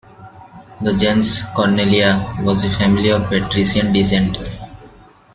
The "gens Cornelia" was a family of patrician descent.